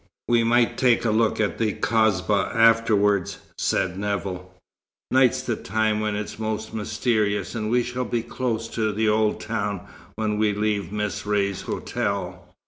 We might take a look at the Kasbah afterward," said Nevill. "Night's the time when it's most mysterious, and we shall be close to the old town when we leave Miss Ray's hotel."